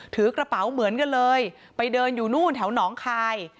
ถือกระเป๋าเหมือนกันเลยไปเดินอยู่นู่นแถวหนองคาย